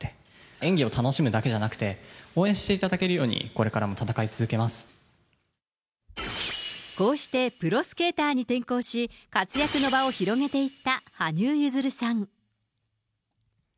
演技を楽しむだけじゃなくて、応援していただけるように、こうしてプロスケーターに転向し、活躍の場を広げていった羽生結弦さん。